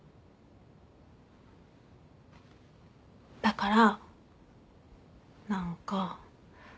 だから何か。